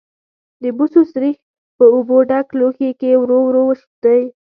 د بوسو سريښ په اوبو ډک لوښي کې ورو ورو وشیندئ.